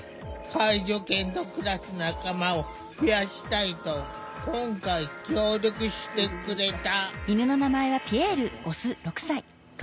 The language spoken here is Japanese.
介助犬と暮らす仲間を増やしたいと今回協力してくれた。